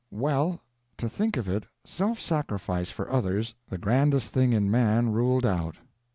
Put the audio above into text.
Well, to think of it; Self Sacrifice for others, the grandest thing in man, ruled out!